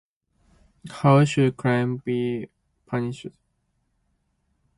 How should crime be punished?